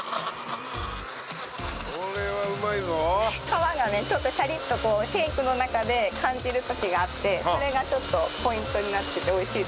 皮がねちょっとシャリッとシェイクの中で感じる時があってそれがちょっとポイントになってて美味しい。